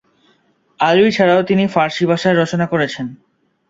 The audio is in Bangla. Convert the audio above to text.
আরবি ছাড়াও তিনি ফারসি ভাষায়ও রচনা করেছেন।